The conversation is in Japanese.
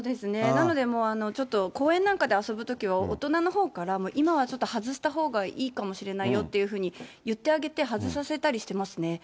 なので、ちょっと公園なんかで遊ぶときは、大人のほうから、今はちょっと外したほうがいいかもしれないよっていうふうに言ってあげて、外させたりしてますね。